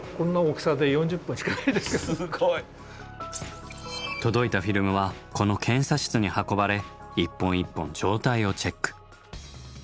ただ届いたフィルムはこの検査室に運ばれ一本一本状態をチェック。